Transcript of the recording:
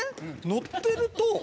乗ってると。